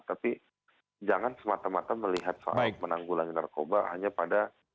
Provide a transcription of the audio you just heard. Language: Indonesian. tapi jangan semata mata melihat soal menanggulangi narkoba hanya pada